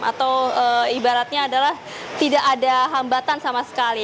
atau ibaratnya adalah tidak ada hambatan sama sekali